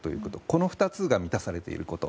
この２つが満たされていること。